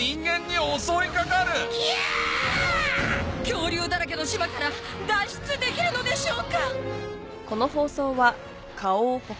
恐竜だらけの島から脱出できるのでしょうか